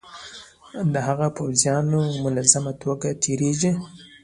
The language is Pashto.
د هغه پوځیان منظمه توګه تیریږي.